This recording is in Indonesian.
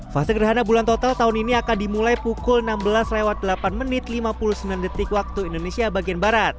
fase gerhana bulan total tahun ini akan dimulai pukul enam belas delapan lima puluh sembilan wib